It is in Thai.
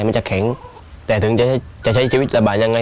มันจะแข็งแต่ถึงจะจะใช้ชีวิตระบาดยังไง